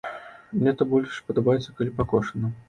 Мне то больш падабаецца, калі пакошана.